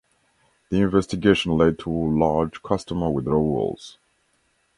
The investigation led to large customer withdrawals.